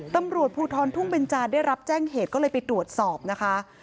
ตำรวจภูทรทุ่งเบนจาได้รับแจ้งเหตุก็เลยไปตรวจสอบนะคะ